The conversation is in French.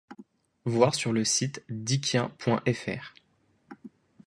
Voir sur le site dickien.fr.